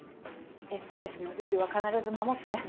「ＳＯＳ」のルールは必ず守って。